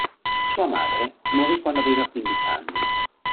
Sua madre morì quando aveva quindici anni.